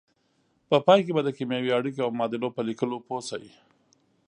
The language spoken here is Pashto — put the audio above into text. په پای کې به د کیمیاوي اړیکو او معادلو په لیکلو پوه شئ.